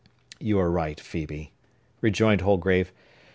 "You are right, Phœbe," rejoined Holgrave.